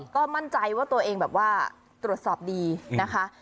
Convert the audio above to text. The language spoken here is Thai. ก็มั่นใจว่าตัวเองแบบว่าตรวจสอบดีนะคะ